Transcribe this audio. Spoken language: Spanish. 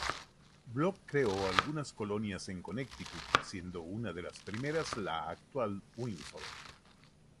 Block creó algunas colonias en Connecticut, siendo una de las primeras la actual Windsor.